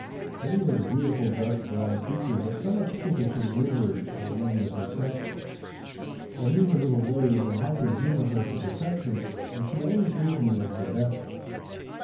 Betty was a beautiful dark brown creature, but somewhat skittish and wayward, like many of her sex. I knew her little ways and how to humour her to perfection, and she always gave me of her best.